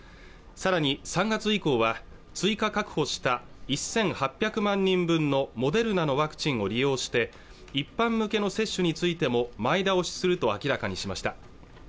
さらに３月以降は追加確保した１８００万人分のモデルナのワクチンを利用して一般向けの接種についても前倒しすると明らかにしました